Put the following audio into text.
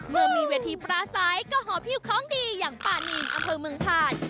เมื่อมีเวทีปราศัยก็หอพิวของดีอย่างปานินอำเภอเมืองผ่าน